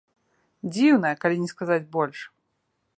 Дзіўная, калі не сказаць больш.